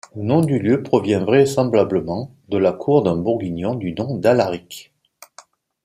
Le nom du lieu provient vraisemblablement de la cour d'un Bourguignon du nom d’Alaric.